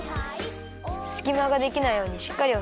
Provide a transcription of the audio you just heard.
すきまができないようにしっかりおさえてね。